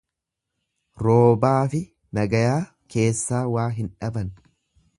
Roobaafi nagayaa keessaa waa hin dhaban.